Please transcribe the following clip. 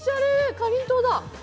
かりんとうだ！